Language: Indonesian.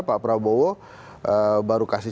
pak prabowo baru kasih